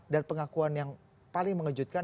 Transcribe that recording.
dan pengakuan yang paling mengejutkan